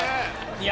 いや